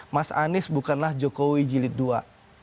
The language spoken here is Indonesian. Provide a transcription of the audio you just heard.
mas anis bukanlah jokowi jilid dua